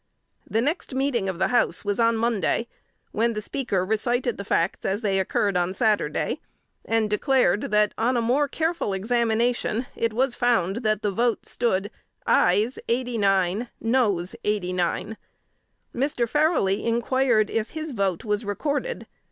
The next meeting of the House was on Monday, when the Speaker recited the facts as they occurred on Saturday, and declared that, on a more careful examination, it was found that the vote stood "ayes eighty nine, noes eighty nine." Mr. Farrelly inquired, if his vote was recorded?